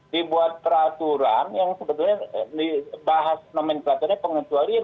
dibuat peraturan yang sebetulnya dibahas nomenklaturnya pengecualian